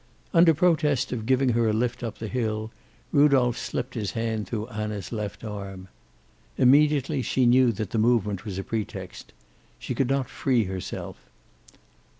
Under protest of giving her a lift up the hill, Rudolph slipped his hand through Anna's left arm. Immediately she knew that the movement was a pretext. She could not free herself.